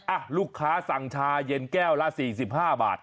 ลูกค้าสั่งชาเย็นแก้วละ๔๕บาท